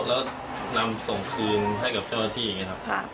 แล้วนำส่งคืนให้กับเจ้าหน้าที่อย่างนี้ครับ